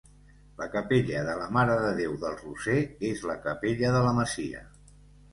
La Capella de la Mare de Déu del Roser és la capella de la masia.